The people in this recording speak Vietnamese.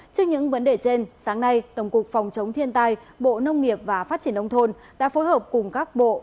trước những vấn đề trên sáng nay tổng cục phòng chống thiên tai bộ nông nghiệp và phát triển nông thôn đã phối hợp cùng các bộ